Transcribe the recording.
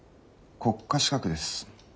国家資格です。